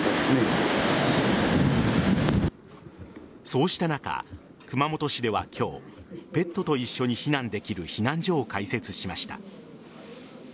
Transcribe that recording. そうした中、熊本市では今日ペットと一緒に避難できる避難所を開設しました。